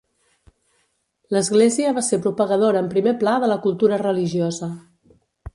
L'Església va ser propagadora en primer pla de la cultura religiosa.